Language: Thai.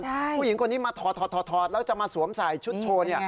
ผู้หญิงคนนี้มาถอดแล้วจะมาสวมใส่ชุดโชว์